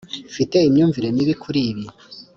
mfite imyumvire mibi kuri ibi.